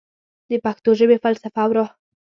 د پښتو ژبې فلسفه او روح